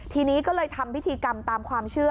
ทีนี้ก็เลยทำพิธีกรรมตามความเชื่อ